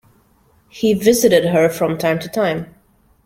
He visited her from time to time.